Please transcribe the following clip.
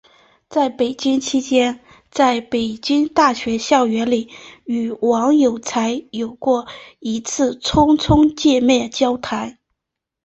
在北京期间在北京大学校园里与王有才有过一次匆匆见面交谈。